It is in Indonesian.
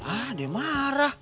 ah dia marah